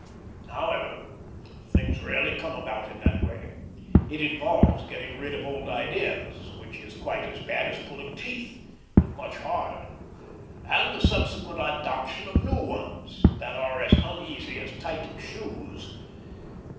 However, things rarely come about in that way. It involves getting rid of old ideas, which is quite as bad as pulling teeth, and much harder; and the subsequent adoption of new ones, that are as uneasy as tight shoes.